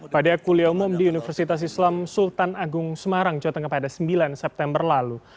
pada kuliah umum di universitas islam sultan agung semarang jawa tengah pada sembilan september lalu